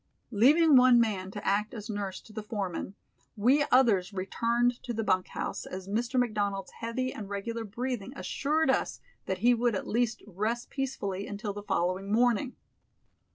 Leaving one man to act as nurse to the foreman, we others returned to the bunk house, as Mr. McDonald's heavy and regular breathing assured us that he would at least rest peacefully until the following morning.